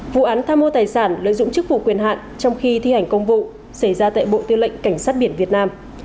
vụ án tham mô tài sản lợi dụng chức vụ quyền hạn trong khi thi hành công vụ xảy ra tại bộ tư lệnh cảnh sát biển việt nam